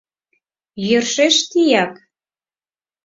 Йӧршеш тияк!